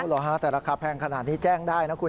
เหรอฮะแต่ราคาแพงขนาดนี้แจ้งได้นะคุณ